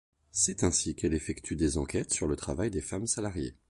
C’est ainsi qu’elle effectue des enquêtes sur le travail des femmes salariées.